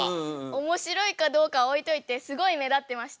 おもしろいかどうかは置いといてすごい目立ってました。